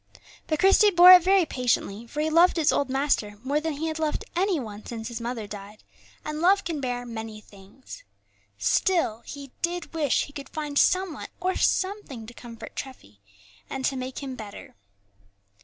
But Christie bore it very patiently, for he loved his old master more than he had loved any one since his mother died; and love can bear many things. Still, he did wish he could find some one or something to comfort Treffy, and to make him better.